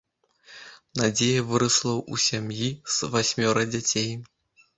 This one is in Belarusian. Надзея вырасла ў сям'і з васьмёра дзяцей.